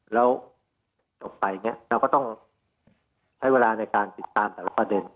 แล้วจบไปอย่างนี้เราก็ต้องใช้เวลาในการติดตามแต่ละประเด็น